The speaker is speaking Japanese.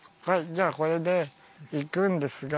じゃあこれでいくんですが。